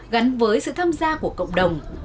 gắn với sự tham gia của cộng đồng